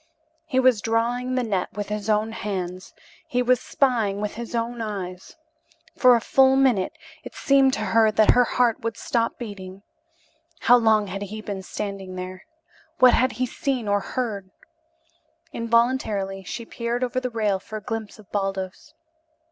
He was drawing the net with his own hands, he was spying with his own eyes. For a full minute it seemed to her that her heart would stop beating. How long had he been standing there? What had he seen or heard? Involuntarily she peered over the rail for a glimpse of Baldos.